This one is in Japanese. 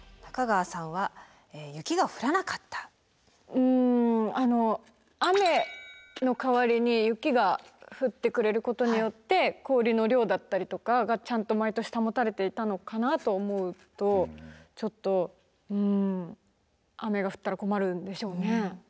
うんあの雨の代わりに雪が降ってくれることによって氷の量だったりとかがちゃんと毎年保たれていたのかなと思うとちょっとうん雨が降ったら困るんでしょうね。